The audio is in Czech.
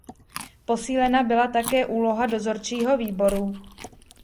Posílena byla také úloha dozorčího výboru.